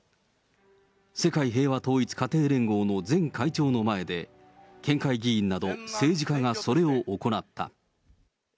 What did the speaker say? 世界平和統一家庭連合の前会長の前で、県会議員など政治家がそれを行った。